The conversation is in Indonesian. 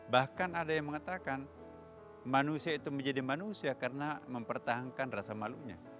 bahkan ada yang mengatakan manusia itu menjadi manusia karena mempertahankan rasa malunya